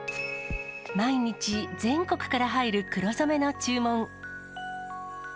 毎日、全国から入る黒染めの注文。